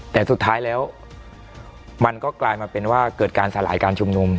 แต่สุดท้ายแล้วมันก็กลายมาเป็นว่าเกิดการสลายการชุมนุม